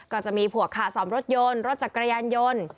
ก็จะมีพวกขาสอมรถยนต์รถจักรยานยนต์